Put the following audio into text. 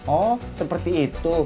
oh seperti itu